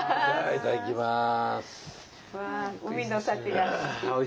いただきます！